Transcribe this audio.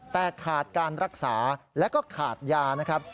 แต่ขาดการรักษาแล้วก็ขาดยานะครับ